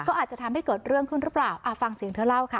ก็อาจจะทำให้เกิดเรื่องขึ้นหรือเปล่าฟังเสียงเธอเล่าค่ะ